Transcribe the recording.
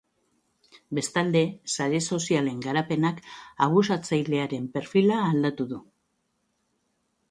Bestalde, sare sozialen garapenak abusatzailearen perfila aldatu du.